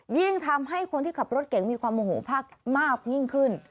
ยิ่งทำให้คนที่ขับรถเก่งมีความโมโหมากยิ่งขึ้น